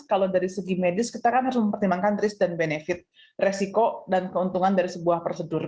kalau dari segi medis kita kan harus mempertimbangkan risk dan benefit resiko dan keuntungan dari sebuah prosedur